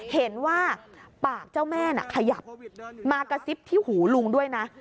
เห็นว่าปากเจ้าแม่น่ะขยับมากระซิบที่หูลุงด้วยนะ